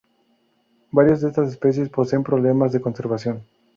Varias de estas especies poseen problemas de conservación.